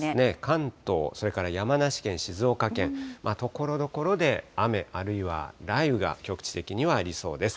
関東、それから山梨県、静岡県、ところどころで雨あるいは雷雨が局地的にはありそうです。